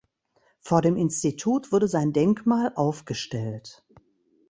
Vor dem Institut wurde sein Denkmal aufgestellt.